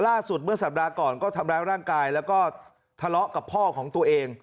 เมื่อสัปดาห์ก่อนก็ทำร้ายร่างกายแล้วก็ทะเลาะกับพ่อของตัวเอง